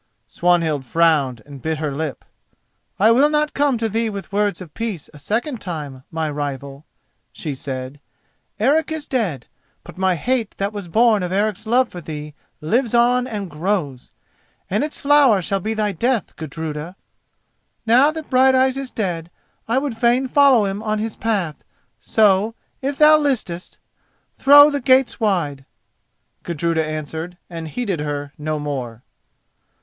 Swanhild frowned and bit her lip. "I will not come to thee with words of peace a second time, my rival," she said. "Eric is dead, but my hate that was born of Eric's love for thee lives on and grows, and its flower shall be thy death, Gudruda!" "Now that Brighteyes is dead, I would fain follow on his path: so, if thou listest, throw the gates wide," Gudruda answered, and heeded her no more.